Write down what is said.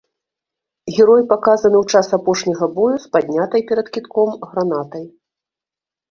Герой паказаны ў час апошняга бою з паднятай перад кідком гранатай.